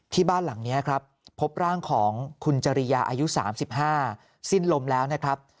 บ้านหลังนี้ครับพบร่างของคุณจริยาอายุ๓๕สิ้นลมแล้วนะครับ